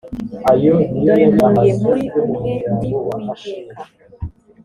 dore ntuye muri mwe ndi uwiteka